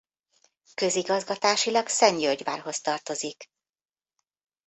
Közigazgatásilag Szentgyörgyvárhoz tartozik.